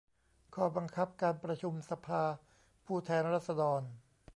ข้อบังคับการประชุมสภาผู้แทนราษฎร